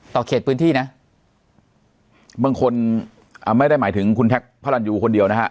ต่อเขตพื้นที่บางคนไม่ได้หมายถึงคุณแท็กพระรันดูคนเดียว